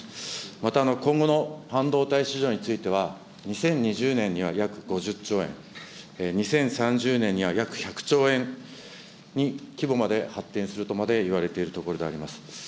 また今後の半導体市場については、２０２０年には約５０兆円、２０３０年には約１００兆円規模まで発展するとまでいわれているところであります。